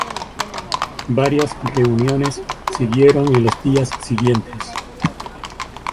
Varias reuniones siguieron en los días siguientes.